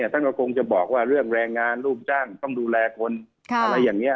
ท่านก็คงจะบอกว่าเรื่องแรงงานลูกจ้างต้องดูแลคนอะไรอย่างนี้